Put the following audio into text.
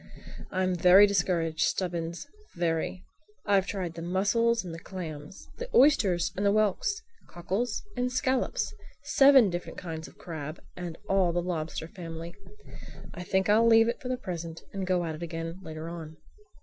"I'm very discouraged, Stubbins, very. I've tried the mussels and the clams, the oysters and the whelks, cockles and scallops; seven different kinds of crabs and all the lobster family. I think I'll leave it for the present and go at it again later on."